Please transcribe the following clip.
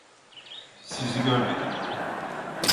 Sizi görmedim.